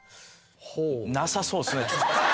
なさそうっすね。